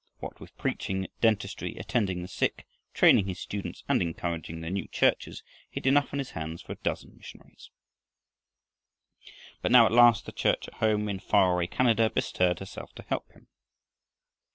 What with preaching, dentistry, attending the sick, training his students, and encouraging the new churches, he had enough on his hands for a dozen missionaries. But now at last the Church at home, in far away Canada, bestirred herself to help him.